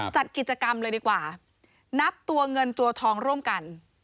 จัดกิจกรรมเลยดีกว่านับตัวเงินตัวทองร่วมกัน